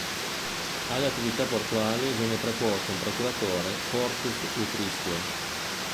Alle attività portuali venne preposto un procuratore "portus utriusque".